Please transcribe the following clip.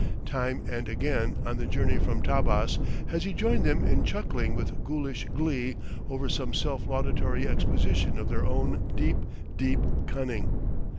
Time and again on the journey from Tabbas has he joined them in chuckling with ghoulish glee over some self laudatory exposition of their own deep, deep, cunning.